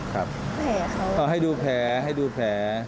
แผลเขา